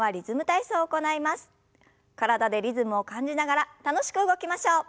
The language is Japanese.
体でリズムを感じながら楽しく動きましょう。